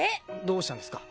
どうしたんですか？